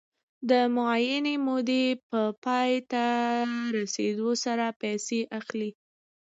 د معینې مودې په پای ته رسېدو سره پیسې اخلي